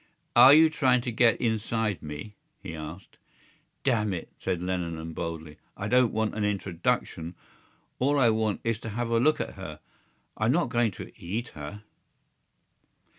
"Are you trying to get inside me?" he asked. "Damn it!" said Lenehan boldly, "I don't want an introduction. All I want is to have a look at her. I'm not going to eat her."